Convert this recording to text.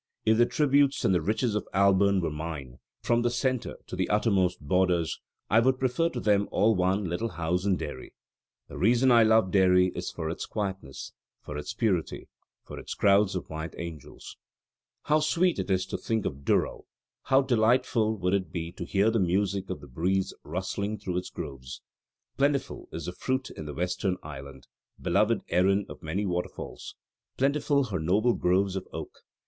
If the tributes and the riches of Alban were mine, from the centre to the uttermost borders, I would prefer to them all one little house in Derry. The reason I love Derry is for its quietness, for its purity, for its crowds of white angels. "How sweet it is to think of Durrow: how delightful would it be to hear the music of the breeze rustling through its groves. "Plentiful is the fruit in the Western Island beloved Erin of many waterfalls: plentiful her noble groves of oak.